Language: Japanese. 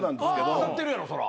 慕ってるやろそら。